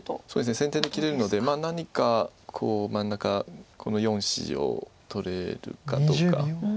そうですね先手で切れるので何か真ん中この４子を取れるかどうか。